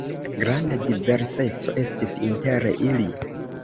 Granda diverseco estis inter ili.